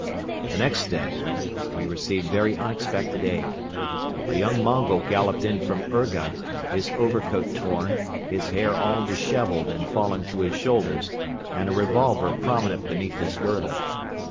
The next day we received very unexpected aid. A young Mongol galloped in from Urga, his overcoat torn, his hair all dishevelled and fallen to his shoulders and a revolver prominent beneath his girdle.